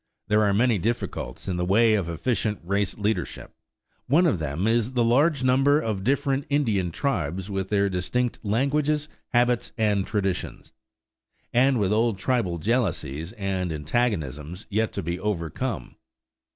There are many difficulties in the way of efficient race leadership; one of them is the large number of different Indian tribes with their distinct languages, habits, and traditions, and with old tribal jealousies and antagonisms yet to be overcome.